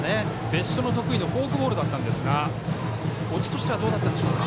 別所の得意のフォークボールだったんですが落ちとしてはどうだったでしょうか。